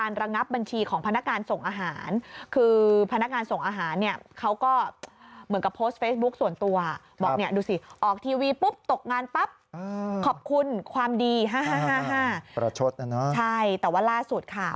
ประชดน่ะเนอะใช่แต่ว่าล่าสุดค่ะ